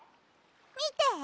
みて！